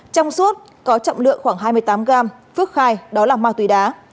trong suốt có trọng lượng khoảng hai mươi tám g phước khai đó là ma túy đá